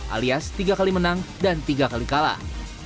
alias tiga kali menang dan tiga kali kalah